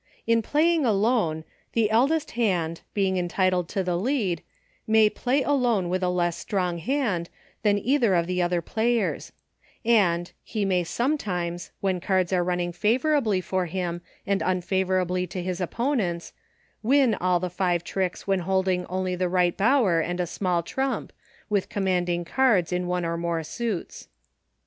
In Playing Alone, the eldest hand, being entitled to the lead, may Play Alone with a less strong hand, than either of the other players ; and, he may sometimes, when cards are running favorably for him and unfavorably to his opponents, win all the five tricks when holding only the Eight Bower and a small trump, with commanding cards in one or more suits.